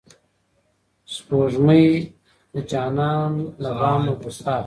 سپوږمۍ د جانان له بامه بوسه اخلي.